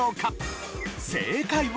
正解は。